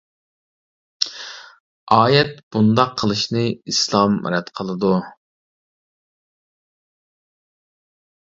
ئايەت بۇنداق قىلىشنى ئىسلام رەت قىلىدۇ.